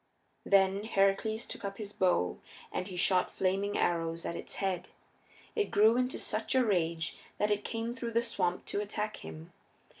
Then Heracles took up his bow and he shot flaming arrows at its heads. It grew into such a rage that it came through the swamp to attack him.